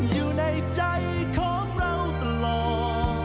อยู่ในใจของเราตลอด